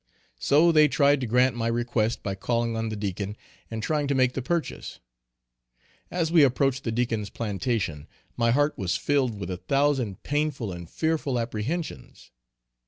So they tried to grant my request by calling on the Deacon, and trying to make the purchase. As we approached the Deacon's plantation, my heart was filled with a thousand painful and fearful apprehensions.